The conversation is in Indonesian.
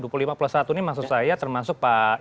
dua puluh lima plus satu ini maksud saya termasuk pak